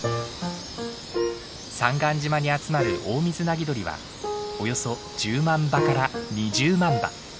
三貫島に集まるオオミズナギドリはおよそ１０万羽から２０万羽。